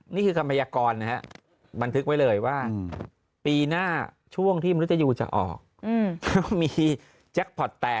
๒๕๖๕นี่คือธรรมยากรนะครับบันทึกไว้เลยว่า